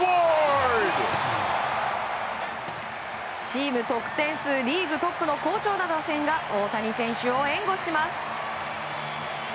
チーム得点数リーグトップの好調な打線が大谷選手を援護します。